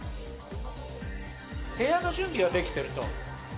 部屋の準備はできていると。